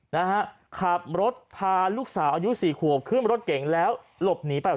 นะฮะขับรถพาลูกสาวอายุสี่ขวบขึ้นรถเก่งแล้วหลบหนีไป